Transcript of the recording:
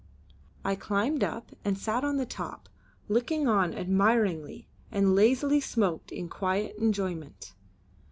I climbed up and sat on the top, looking on admiringly, and lazily smoked in quiet enjoyment.